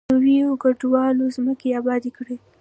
نویو کډوالو ځمکې ابادې کړې.